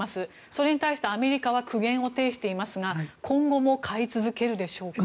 それに対してアメリカは苦言を呈していますが今後も買い続けるでしょうか。